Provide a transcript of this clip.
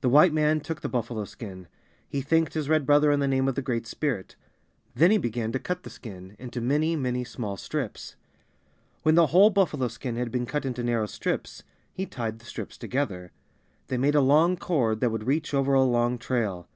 The White man took the buffalo skin. He thanked his Red brother in the name of the Great Spirit. Then he began to cut the skin into many, many small strips. When the whole buffalo skin had been cut into narrow strips, he tied the strips together. They made a long cord that would reach over a long trail.